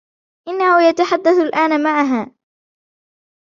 إنه يتحدث الأن معها.